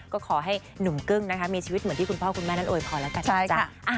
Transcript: ก็ขอให้หนุ่มกึ้งนะคะมีชีวิตเหมือนที่คุณพ่อคุณแม่นั้นโอยพรแล้วกันนะจ๊ะ